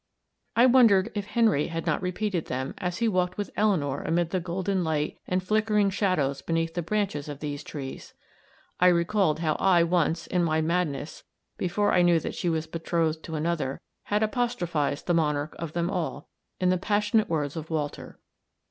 I wondered if Henry had not repeated them, as he walked with Eleanor amid the golden light and flickering shadows beneath the branches of these trees. I recalled how I once, in my madness, before I knew that she was betrothed to another, had apostrophized the monarch of them all, in the passionate words of Walter.